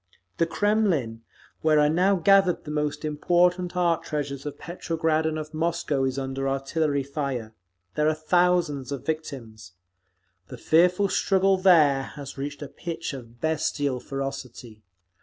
The Kremlin, where are now gathered the most important art treasures of Petrograd and of Moscow, is under artillery fire. There are thousands of victims. The fearful struggle there has reached a pitch of bestial ferocity.